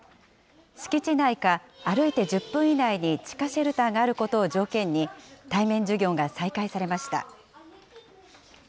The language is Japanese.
敷地内か、歩いて１０分以内に地下シェルターがあることを条件に、対面授業が再開されました。